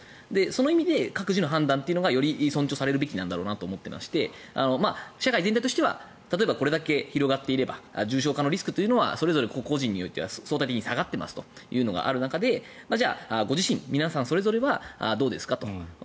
その意味で各自の判断がより尊重されるべきなんだろうと思っていまして社会全体としては例えばこれだけ広がっていれば重症化リスクというのはそれぞれ個人においては相対的に下がっていますというのがある中でじゃあ、ご自身皆さんそれぞれはどうですかと。